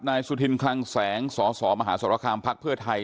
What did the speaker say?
นายสุธินค์คลังแสงสสมหสคภเผื่อไทย